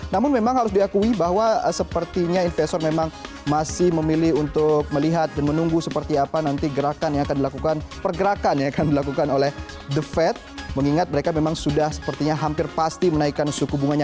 namun memang harus diakui bahwa sepertinya investor memang masih memilih untuk melihat dan menunggu seperti apa nanti gerakan yang akan dilakukan pergerakan yang akan dilakukan oleh the fed mengingat mereka memang sudah sepertinya hampir pasti menaikkan suku bunganya